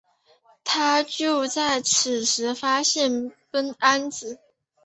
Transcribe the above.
他就在此时发现了苯胺紫。